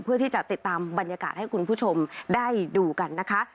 เพื่อที่จะติดตามบรรยากาศให้คุณผู้ชมได้ดูกันนะคะ